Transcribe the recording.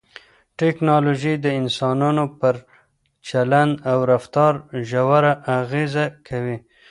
ټکنالوژي د انسانانو پر چلند او رفتار ژوره اغېزه کوي.